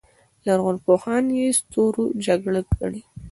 لرغونپوهان یې ستورو جګړه ګڼي